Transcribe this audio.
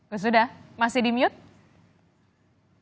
gusuda masih di mute